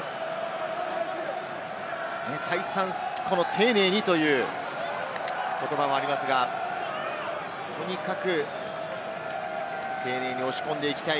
再三、この丁寧にという言葉がありますが、とにかく丁寧に押し込んでいきたい。